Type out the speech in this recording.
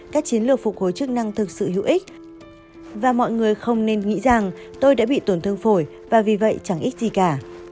các chiến lược phục hồi chức năng thực sự hữu ích và mọi người không nên nghĩ rằng tôi đã bị tổn thương phổi và vì vậy chẳng ít gì cả